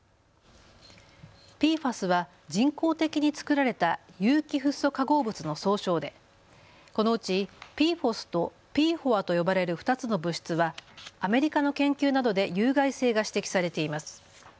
ＰＦＡＳは人工的に作られた有機フッ素化合物の総称でこのうちＰＦＯＳとＰＦＯＡと呼ばれる２つの物質はアメリカの研究などで有害性が指摘されています。